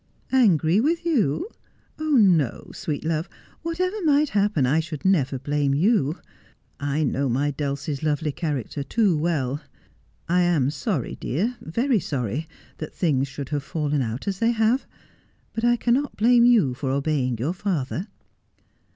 ' Angry with you 1 No, sweet love. Whatever might happen I should never blame you. I know my Dulcie's lovely character too well. I am sorry, dear, very sorry, that things should have fallen out as they have, but I cannot blame you for obey ing your father.'